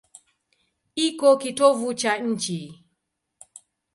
Iko kitovu cha nchi.